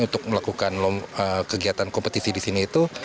untuk melakukan kegiatan kompetisi di sini itu